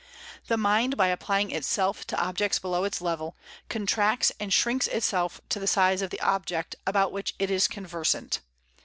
The mind by applying itself to objects below its level, contracts and shrinks itself to the size of the object about which it is conversant.